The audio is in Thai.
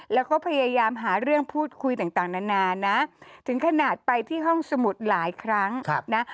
แล้วก็พยายามหาเรื่องพูดคุยต่างนานานะถึงขนาดไปที่ห้องสมุดหลายครั้งนะ